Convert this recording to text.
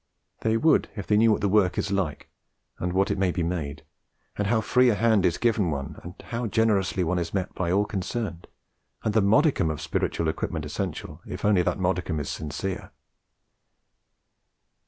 They would if they knew what the work is like and what it may be made, how free a hand is given one, how generously one is met by all concerned, and the modicum of spiritual equipment essential if only that modicum be sincere.